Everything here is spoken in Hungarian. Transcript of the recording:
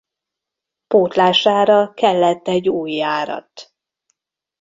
Pótlására kellett egy új járat.